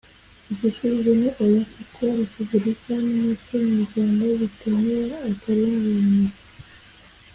igisubizo ni oya! kuko repubulika n' umuco nyarwanda bitemera akarenganyo.